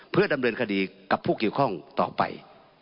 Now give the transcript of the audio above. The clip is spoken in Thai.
เพื่อดำเนินคดีกับผู้เกี่ยวข้องต่อไป